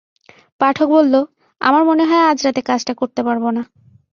পাঠক বলল, আমার মনে হয় আজ রাতে কাজটা করতে পারব না।